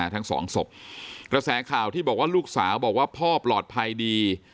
ทั้งสองศพกระแสข่าวที่บอกว่าลูกสาวบอกว่าพ่อปลอดภัยดี